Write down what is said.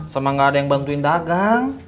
sama gak ada yang bantuin dagang